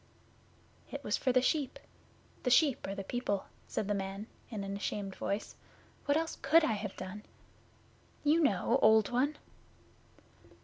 'It was for the sheep. The sheep are the people,' said the man, in an ashamed voice. 'What else could I have done? You know, Old One.